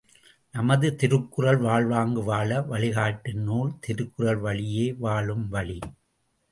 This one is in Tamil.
நமது திருக்குறள் வாழ்வாங்கு வாழ வழிகாட்டும் நூல் திருக்குறள் வழியே வாழும் வழி.